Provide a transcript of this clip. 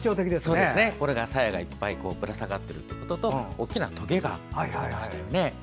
これがさやがいっぱいぶら下がっているということと大きなとげが見られましたよね。